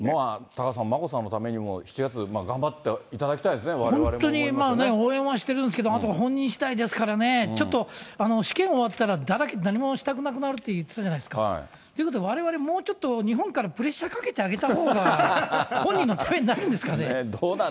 タカさん、眞子さんのためにも７月、頑張っていただきたいで本当に応援はしてるんですけれども、あと本人しだいですからね、ちょっと試験終わったらだらけて何もしたくなくなるって言ってたじゃないですか、ということはわれわれ、日本からもうちょっとプレッシャーかけてあげたほうどうなんですかね。